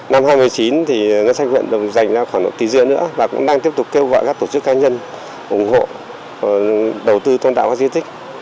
năm hai nghìn một mươi chín thì ngân sách huyện dành ra khoảng một kỳ dưa nữa và cũng đang tiếp tục kêu gọi các tổ chức cá nhân ủng hộ đầu tư tôn tạo các di tích